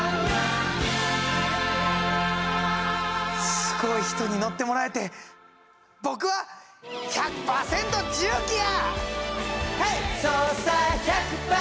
すごい人に乗ってもらえて僕は１００％重機や！